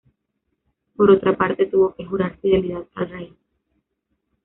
Por otra parte tuvo que jurar fidelidad al rey.